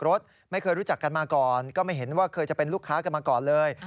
ไม่เคยรู้จักกันมาก่อนก็ไม่เห็นว่าเคยจะเป็นลูกค้ากันมาก่อนเลย